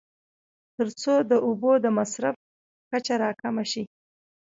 تر څو د اوبو د مصرف کچه راکمه شي.